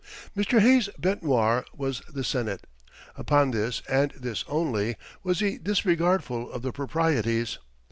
Mr. Hay's bête noire was the Senate. Upon this, and this only, was he disregardful of the proprieties.